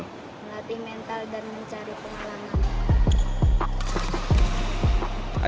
melatih mental dan mencari pengalaman